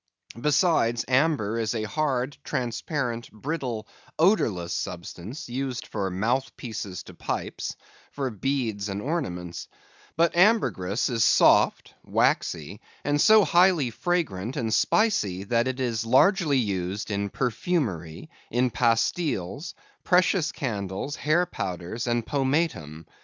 Besides, amber is a hard, transparent, brittle, odorless substance, used for mouth pieces to pipes, for beads and ornaments; but ambergris is soft, waxy, and so highly fragrant and spicy, that it is largely used in perfumery, in pastiles, precious candles, hair powders, and pomatum.